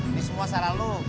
ini semua salah lo